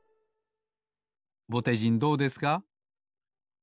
ぼてじんどうですか？